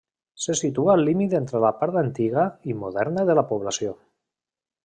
Se situa al límit entre la part antiga i moderna de la població.